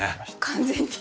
完全に。